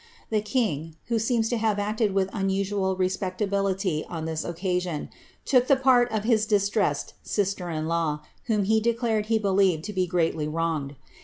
The king, who seems to have acted with unusual respectability on this occasion, took the part of his distressed sister in law, whom he declared he believed to be greatly wronged.